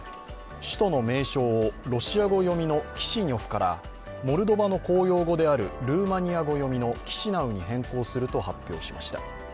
首都の名称をロシア語読みのキシニョフからモルドバの公用語であるルーマニア語読みのキシナウに変更すると発表しました。